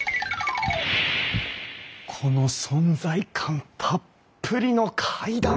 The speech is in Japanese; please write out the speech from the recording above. この存在感たっぷりの階段！